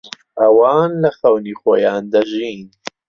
ئەوان لە خەونی خۆیان دەژین.